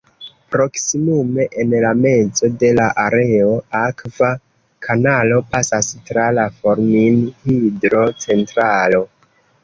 Proksimume en la mezo de la areo, akva kanalo pasas tra la Formin-hidro-centralo.